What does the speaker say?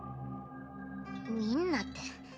見んなって。